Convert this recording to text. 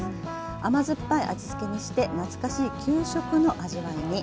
甘酸っぱい味付けにして懐かしい給食の味わいに。